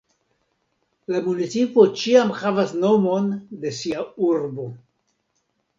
La municipo ĉiam havas nomon de sia urbo.